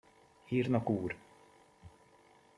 Írnok úr!